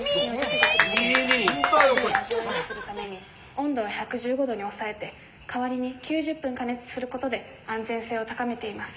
「温度は１１５度に抑えて代わりに９０分加熱することで安全性を高めています」。